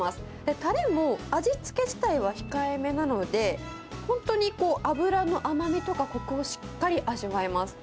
たれも味付け自体は控えめなので、本当にこう、脂の甘みとかこくをしっかり味わえます。